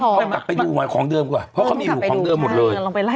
ต้องกลับไปดูของเดิมกว่าเพราะเขาไม่อยู่ของเดิมหมดเลย